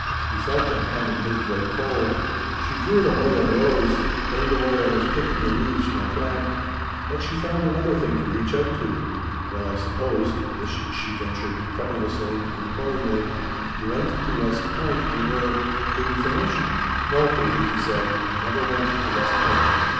He felt the hand in his grow cold. She drew it away and rose; turned away and was picking the leaves from a plant. But she found another thing to reach out to. "Well I suppose" this she ventured tremulously, imploringly "you went to West Point and were didn't finish?" "No, Katie," he said, "I never went to West Point."